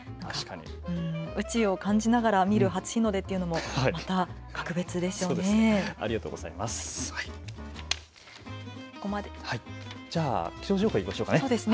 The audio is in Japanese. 宇宙を感じながら見る初日の出というのも格別ですね。